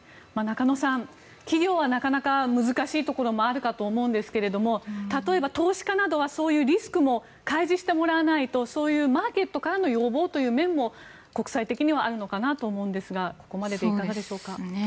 中野さん企業はなかなか難しいところもあるかと思うんですけれども例えば投資家などはリスクも開示してもらわないとマーケットからの要望という面も国際的にはあるのかなと思うんですがここまででいかがでしょうか。